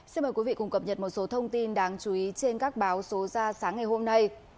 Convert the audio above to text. xin mời quý vị cùng cập nhật một số thông tin đáng chú ý trên các báo số ra sáng ngày hôm nay